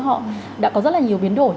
họ đã có rất là nhiều biến đổi